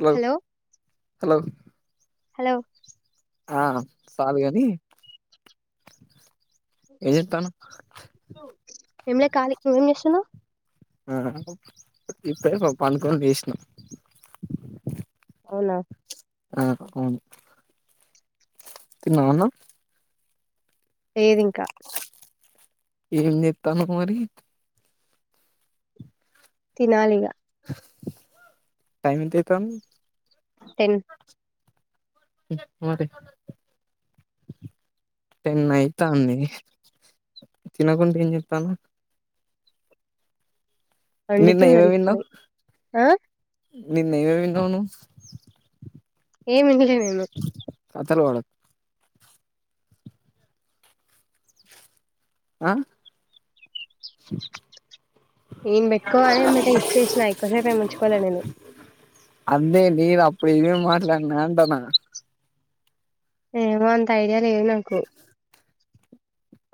Hello hello hello ఆహా సాలుగాని ఏంలే ఖాళీ నువ్ ఏం చేస్తున్నావ్ ఆ ఇప్పు ప పండుకొని లేష్నా అవునా ఆ అవును తిన్నావఅన్నం లేదింకా ఏం జెథనావ్ మరి తినాలి ఇగ టైం ఎంత అయితంధి టెన్ మరి టెన్ అయితంది తినకుండా ఏం చేతనవ్ నిన్న వండుతున్నారు ఏవేవి విన్నా ఇప్పుడే ఆ నిన్న ఏవేవి విన్నాను నువ్ ఏమి ఇనెల నేను కథల్ వాడక్ ఆ నేను పెట్టుకోవాలి ఎంబటే ఇచ్చేసినా ఎక్కువసేపు ఏం ఉంచుకోల నేను అంటె నెన్ అప్పుడు ఏమేం ఏమేం మాట్లాడినాంటనా ఏమో అంత ఐడియా లేదు నాకు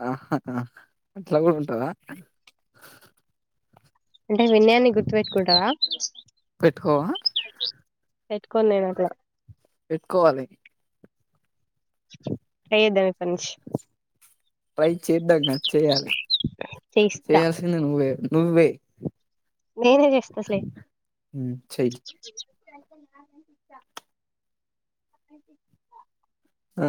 ఆహాహా అట్లా కూడా ఉంటదా అంటే విన్నయాన్ని గుర్తుపెట్టుకుంటావా పెట్టుకోవా పెట్టుకొన్నేనట్ల పెట్టుకోవాలి [unintelligible] ట్రై చేద్దాం కాదు చేయాలి చేయిస్తా చేయాల్సింది నువే నువ్వే నేనే చేస్తస్లే చెయ్యి ఆ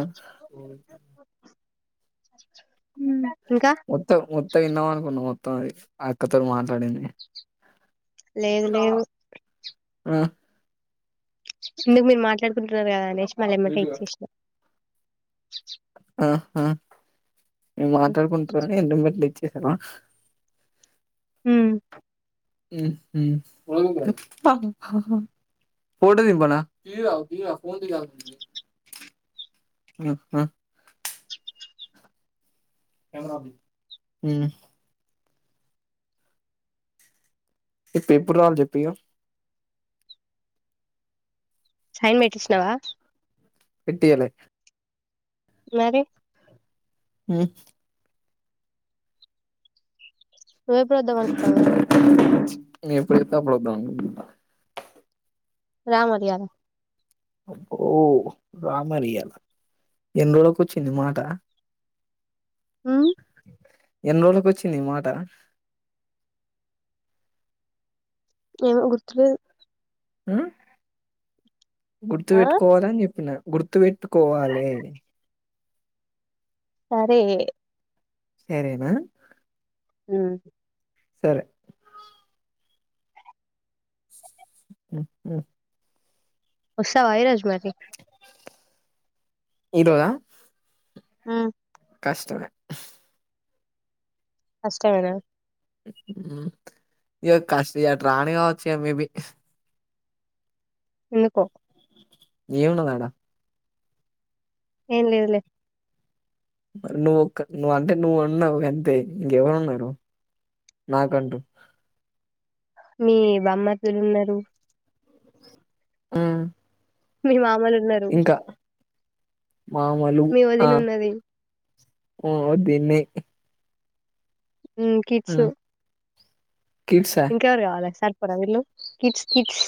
ఇంకా మొత్తం మొత్తం విన్నాం అనుకున్నాం మొత్తం అక్కతోనీ మాట్లాడింది లేదు లేదు ఆ ఎందుకు మీరు మాట్లాడుకుంటున్నారు కదా అనేసి మళ్ళ ఏమంటె ఇచ్చేసినా ఆహా మేము మాట్లాడుకుంటాకు ఎ మట్లు ఇచ్చ చేతన్నావా ఉమ్ ఉ హు [unintelligible] ఫోటో దింప్పన్న అ హ్హా ఉమ్ ఈ ఎప్పుడు రాల చెప్పియా సైన్ పెట్టించినవ పెట్టియ్యలే మరి హమ్ నువ్వెప్పుడొద్దాం అనుకుంటున్నావు నిఎప్పుడత్తే అప్పుడద్దా రామరి ఇయ్యాల ఓ రామరియ్యాల ఎన్ని రోజులకొచ్చింది మాట అ ఎన్ని రోజులకి వచ్చింది ఈ మాట ఏమొ గుర్తులేదు ఉమ్ ఆ గుర్తుపెట్టుకోవాలని చెప్పిన గుర్తుపెట్టుకోవాలె సరే సరేనా ఉమ్ సరే ఒస్తవ ఈరోజు మరి ఇరోజా మ్ కష్టమే కష్టమేనా ఇగ కాస్ ఇగ అట్ రానుకావచ్చిగ మేబి ఎందుకో ఏమున్నదాడ ఏం లేదులే నువ్వోక్క నువ్వు అంటే నువ్వు ఉన్నావ్ గంతే ఇంకెవరున్నరు నాకంటు మీ బామ్మర్థులున్నరు ఉ మీ మామలున్నరు మామలు ఆ ఉన్నది ఒ దిన్నే ఉమ్ కిడ్స్ కిడ్సా ఇంక గావాలి సర్పొరా వీళ్ళు కిడ్స్ కిడ్స్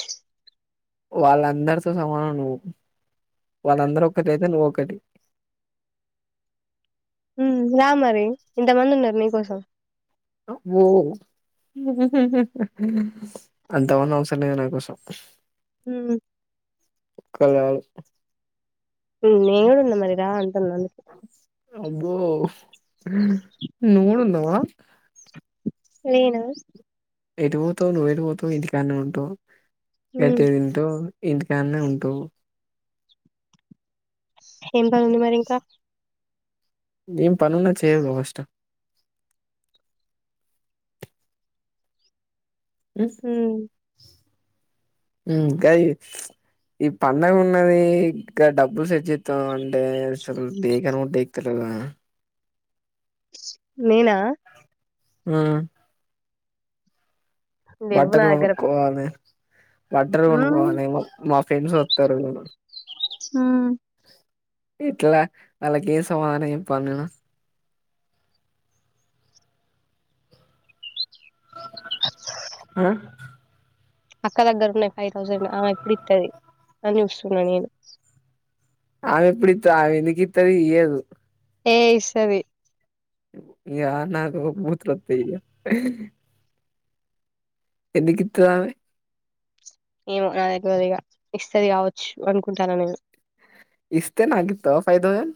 వాళ్ళందరితో సమానం నువ్వు వాళ్ళందరూ ఒక్కటయితె నువ్వొక్కటి ఉమ్ రా మరి ఇంతమంది ఉన్నరు నీకోసం ఓ నువ్ అంత మంది అవసరం లేదు నాకోసం ఉమ్ ఒక్కలు చాలు నేను కూడా ఉన్నా మరి రా అంటున్నా అందుకె అబ్బో నువ్వుకూడున్నావా నేను ఎటు పోతావ్ నువ్వెటుపోతవ్ ఇంటికాన్నే ఉంటవ్ ఉమ్, గట్టిగ తింటవ్ ఇంటికాన్నే ఉంటవ్ ఏం పని ఉంది మరి ఇంకా ఏం పనున్న చేయవ్ గా ఫస్ట్ ఉమ్ ఉమ్ గది ఈ పండగ ఉన్నది ఇ గా డబ్బు సెట్చెతావ్ అంటే అసలు దేకనుకూడా దెక్తలేవు వ్గా నేనా ఆ లెవ్వు నా దగ్గర బట్టలుకొనుక్కోవాలి ఉమ్, బట్టలుకొనుక్కోవాలి మా ఫ్రెండ్స్ ఒత్తారు ఉ ఇట్లా అలాకేం సమాధానం చెప్పాలి నేను ఆ అక్క దగ్గర ఉన్నాయి ఫైవ్ థౌజండ్ ఆమె ఎప్పుడు ఇత్తది అని చూస్తున్నా నేను ఆమె ఎప్పుడు ఇత్త ఆమె ఎందుకు ఇత్తది ఇయ్యదు ఏ ఇస్తది ఇగా నాకు బూతులొత్తయి ఇగ ఎందుకు ఇత్తదామె ఏమో నాకుతేల్వది ఇగ ఇస్తది కావచ్చు అనుకుంటానా నేను ఇస్తే నాకు ఇత్తవ ఫైవ్ థౌసేండ్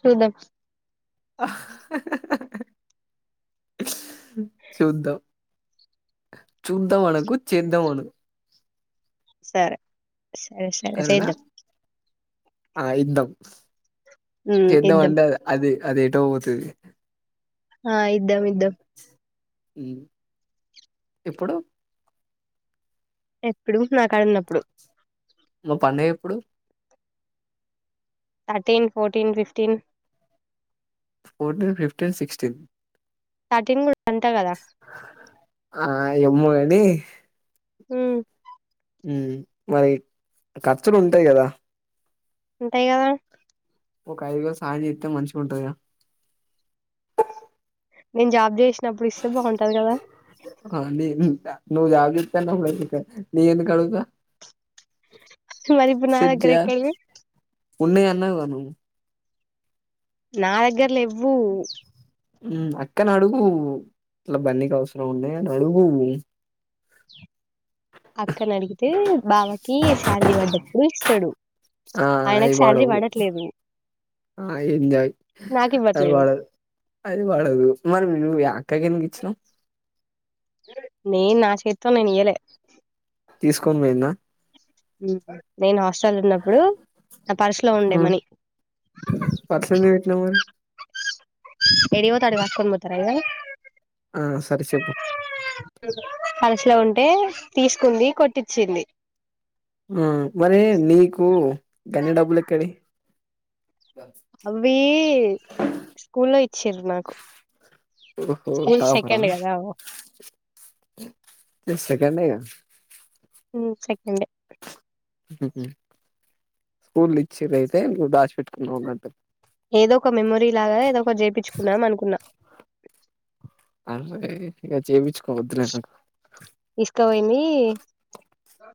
చుద్దాం హ హ చూద్దాం చూద్దాం అనకు చేద్దాం అను సరే సరే సరే సరేనా చేద్దం ఆ ఇద్దం ఉమ్ చేద్దం ఇద్దాం అంటే అది అదేటోపోతది ఆ ఇద్దం ఇద్దం ఉమ్ ఎప్పుడు ఎప్పుడు నాకడున్నప్పుడు ఇప్పుడు thirteen fourteen fifteen fourteen fifteen sixteen starting కూడా అంటా కదా ఆ ఎమ్మోగాని ఉ మ్ ఉ మరి ఖర్చులు ఉంటయ్ కదా ఉంటయ్ కదా ఒక ఐదు వేలు సాయం చెతే మంచిగా ఉంటది గా నేను జాబ్ చేసినప్పుడు ఇస్తే బాగుంటది కదా నువ్ జాబ్ చెత్తన్నావ్ కదా ఇంకా నేను ఎందుకు అడుగుతా మరి ఇప్పుడు నాదగ్గర ఎక్కడియి ఉన్నయ్ అన్నావ్ గా నువ్ నా దగ్గర లెవ్వు మ్ అక్కనడుగు ఇట్లా బన్నీకి అవసరం ఉన్నయ్ అని అడుగు అక్కనడిగితే బావ కి సాలరీ పడ్డప్పుడు ఇస్తడు ఆ ఆయనకు శాలరీ అయిబాడవు పడట్లేదు ఆ ఎంజాయ్ నాకు అది ఇవ్వట్లేదు వాడదు అది వాడదు మనం నువు యా ఎనగకెళిగిచ్చినవ్. నేను నా చేతితోని నేను ఇయ్యాలే. తీసుకొని పోయిందా. నేనా. హాస్టల్ ఉన్నప్పుడు నా పరుసులో ఉండే హ్మ్ మనీ. పర్స్ ఎందుకు పెట్టినవ్ మరి ఎడికివోతే ఆడికి లాక్కొని పోతారా ఇంగా ఆ సరే చెప్పు పలుసలో ఉంటే తీసుకుంది కొట్టించింది ఆ మరి నీకు గన్ని డబ్బులు ఎక్కడి అవీ స్కూలో ఇచ్చిర్రు నాకు ఓహో స్కూల్ టాపరా సెకండ్ కదా గంతే కదా. ఉమ్ సెకండే. స్కూల్ ఇచ్చిర్ అయితే నువ్వు దాస్ పెట్కున్నవ్ కదా. ఏదో ఒక మెమొరీ లాగా ఏదో ఒకటి చేపిన్చుకుందం అనుకున్నా. అరే ఇక జెపిచ్. ఇసుక వోయింది.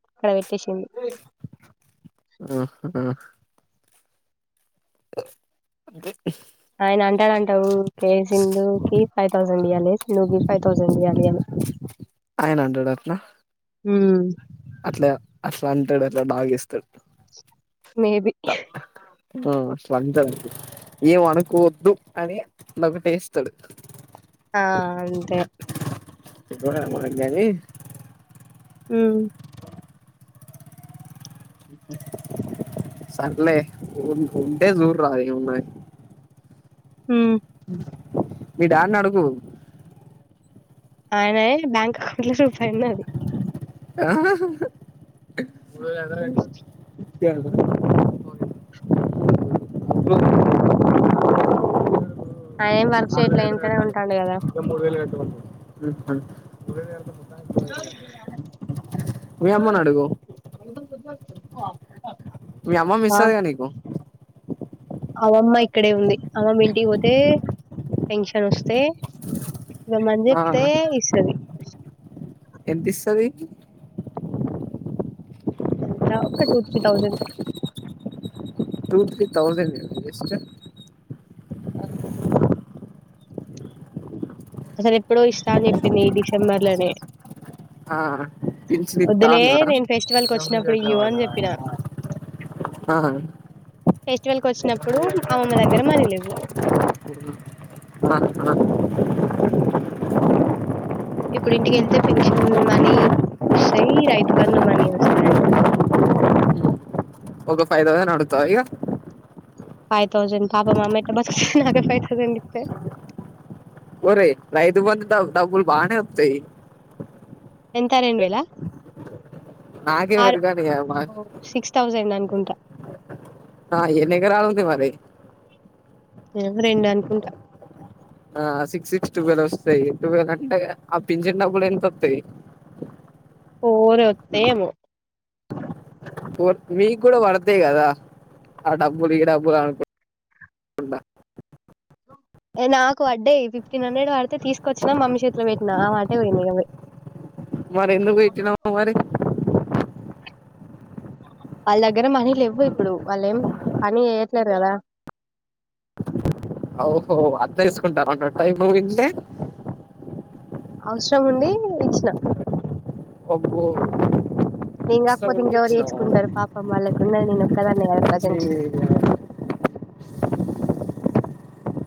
అక్కడ పెట్టేసింది. ఆహ్ ఆహ్. అంటే. ఆయన అంటాడంటా వుకే సింధు కి ఫైవ్ థౌసండ్ ఇయ్వలి సింధు కి ఫైవ్ థౌసండ్ ఇయ్యాలి అని. ఆయన అంటాడు అట్లా అట్లా అట్లా అంటాడు అట్లా డాగ్ ఇస్తాడు. May be. ఉమ్ అట్లా అంటాడు. ఏం అనుకోవద్దు అని నాకు ఒకటేస్తాడు. ఆహ్ అంతే. ఇప్పుడేం మనకు గాని. ఉమ్. సర్లే ఉంటే చు చూడురాదు మనకి. ఉమ్. మీ డాడీని అడుగు. ఆయన బ్యాంక్ అకౌంట్ లో రూపాయి ఉన్నది. ఆహ్. [inaudible] ఆయన ఏం వర్క్ ఆరు చేయట్లే వేలైతే ఇంట్లోనే ఉంటాడు కదా కట్టామాన్ ఇగ మూడు వేలు కట్టామన్. మీ అమ్మని అడుగు [inaudible] మీ అమ్మమ్మ ఆ ఇస్తాది గాద నీకు. అమ్మమ్మ ఇక్కడే ఉంది అమ్మమ్మ ఇంటికి పోతే. పెన్షన్ వస్తే ఇకమన్ ఆ, చెప్తే ఇస్తది. ఎంతిస్తది. అంతా ఒక two three thousand. Two three thousand best. ఆహ్. అసలు ఎప్పుడో ఇస్తా అని చెప్పింది ఈ డిసెంబర్ లనే. ఆహ్ [unintelligible] అన్నారా. నేను ఫెస్టివల్ కి వచ్చినప్పుడు ఇయ్యు అని చెప్పిన ఆహ్. ఫెస్టివల్ కోచ్. నప్పుడు అమ్మమ్మ దగ్గర మనీ లేవు. ఆ, ఆ. ఇప్పుడు ఇంటికి వెళ్తే పెన్షన్ మనీ వస్తాయి రైతు బంధు మనీ వస్తాయంట. ఒక ఫైవ్ థౌసండ్ అడుగుతావ ఇగ. ఫైవ్ థౌసండ్ పాపం మ అమ్మ ఎట్ల బతుకుతది నాకు ఫైవ్ థౌసండ్ ఇత్తే ఒరేయ్ రైతు బంధు ద డబ్బుల్ బానే ఒత్తయ్ ఇంక రెండు వేల ఆరు నాకేమరు కానీ ఓ సిక్స్ థౌసండ్ అన్ ఉంట ఆ ఎన్ని ఎకరాలు ఉంది మరి ఏవో రెండు అనుకుంటా. ఆహ్ సిక్స్ సిక్స్ టువెలొస్తయ్ టువెలంటే ఆ పించిన్ డబ్బులు ఎంతొత్తయ్. ఫోర్ ఒత్తయేమో. ఫోర్ మీకు కూడా పడ్తయి కదా ఆ డబ్బులు ఈ డబ్బులనుకుంట. ఉండ ఎ నాకు వడ్డయ్ నాకు ఫిఫ్టీన్ హండ్రెడ్ వడ్తే తీసుకొచ్చిన మమ్మీ చేత్ల పెట్టినా ఆమె అటే పోయిందింగ మరి మరి ఎందుకు వెట్టినవ్ మరి వాళ్ళ దగ్గర మనీ లేవ్వు ఇప్పుడు వాళ్ళేం పనీ చేయట్లేరు కదా! ఔ హో అట్ల తీసుకుంటావంటే అ టైముంటే అవ్స్రం ఉండి ఇచ్చిన అబ్బో నేను వ్స్రం కాకపోతే ఉండి ఇంకెవరు ఇచ్చినవా చేసుకుంటారు పాపం వాళ్ళకున్నది నేను ఒక్కదాన్నే కదా ప్రజెంట్ ఇచ్చి నయ్ ఉస్స్